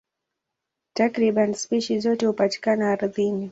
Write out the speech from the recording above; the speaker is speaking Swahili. Takriban spishi zote hupatikana ardhini.